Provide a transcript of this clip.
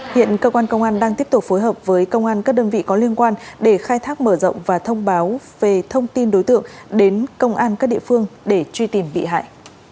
hiện cơ quan công an đang tiếp tục phối hợp với công an các đơn vị có liên quan để khai thác mở rộng và thông báo về thông tin đối tượng đến công an các địa phương để truy tìm bị hại